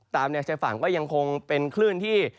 ตามเนื่องจากฝั่งก็ยังคงเป็นคลื่นที่